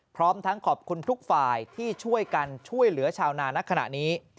พร้อมทั้งขอบคุณทุกฝ่ายที่ช่วยกันช่วยเหลือชาวนานักขณะนี้